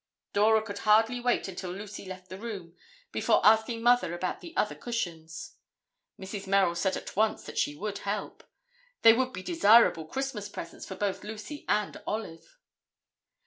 Dora could hardly wait until Lucy left the room before asking Mother about the other cushions. Mrs. Merrill said at once that she would help. They would be desirable Christmas presents for both Lucy and Olive.